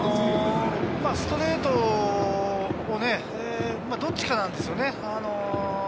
ストレートをどっちかなんですよね。